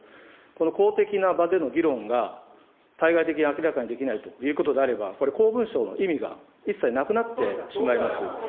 この公的な場での議論が、対外的に明らかにできないということであれば、これ公文書の意味が一切なくなってしまいます。